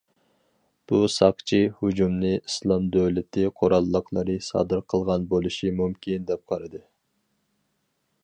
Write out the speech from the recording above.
بۇ ساقچى: ھۇجۇمنى ئىسلام دۆلىتى قوراللىقلىرى سادىر قىلغان بولۇشى مۇمكىن دەپ قارىدى.